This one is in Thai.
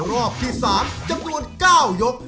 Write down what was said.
รอบที่๓จำนวน๙ยก